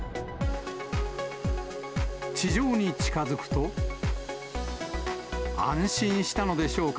地上に近づくと、安心したのでしょうか。